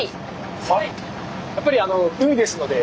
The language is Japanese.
やっぱり海ですのであ